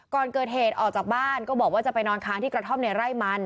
ก่อนเกิดเหตุออกจากบ้านก็บอกว่าจะไปนอนค้างที่กระท่อมในไร่มัน